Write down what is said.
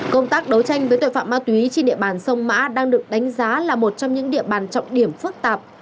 công tác đấu tranh với tội phạm ma túy trên địa bàn sông mã đang được đánh giá là một trong những địa bàn trọng điểm phức tạp